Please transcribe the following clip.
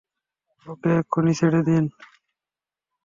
ওকে এক্ষুনি ছেড়ে দিন।